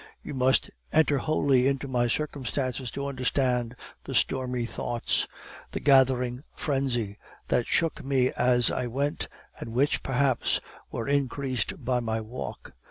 You must enter wholly into my circumstances to understand the stormy thoughts, the gathering frenzy, that shook me as I went, and which, perhaps, were increased by my walk.